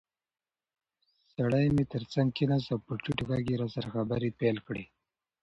سړی مې تر څنګ کېناست او په ټیټ غږ یې راسره خبرې پیل کړې.